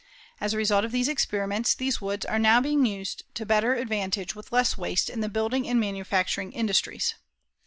As a result of these experiments, these woods are now being used to better advantage with less waste in the building and manufacturing industries.